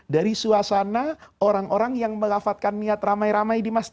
dari suasana orang orang yang melafatkan niat ramai ramai di masjid